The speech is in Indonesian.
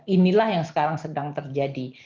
inilah yang sekarang sedang terjadi